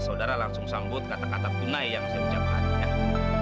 saudara langsung sambut kata kata kunai yang saya ucapkan